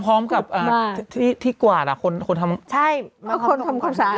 พร้อมกับที่กวาดอ่ะคนทำความสามารถ